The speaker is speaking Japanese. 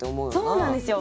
そうなんですよ！